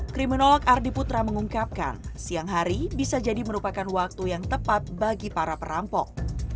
kriminolog ardi putra mengungkapkan siang hari bisa jadi merupakan waktu yang tepat bagi para perampok